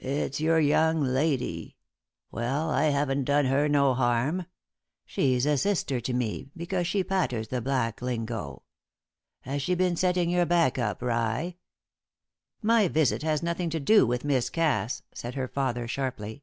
It's your young lady. Well, I haven't done her no harm; she's a sister to me, because she patters the black lingo. Has she been setting your back up, Rye?" "My visit has nothing to do with Miss Cass," said her father, sharply.